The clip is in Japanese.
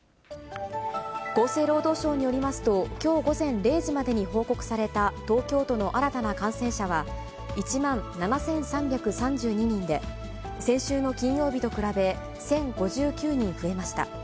厚生労働省によりますと、きょう午前０時までに報告された東京都の新たな感染者は、１万７３３２人で、先週の金曜日と比べ、１０５９人増えました。